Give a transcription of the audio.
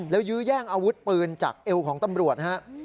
แล้วยื้อแย่งอาวุธปืนจากเอวของตำรวจนะครับ